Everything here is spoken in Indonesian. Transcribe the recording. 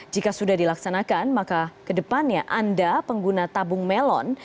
jika sudah dilaksanakan maka kedepannya anda pengguna tabung melon